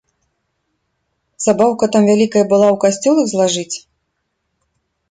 Забаўка там вялікая была ў касцёл іх злажыць?!